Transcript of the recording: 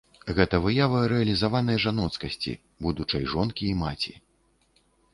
Гэта выява рэалізаванай жаноцкасці, будучай жонкі і маці.